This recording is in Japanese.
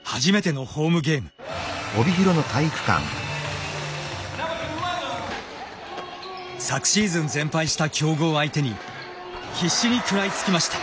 昨シーズン全敗した強豪を相手に必死に食らいつきました。